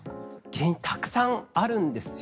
原因たくさんあるんですよ。